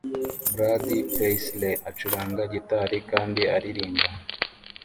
Brad Paisley acuranga gitari kandi aririmba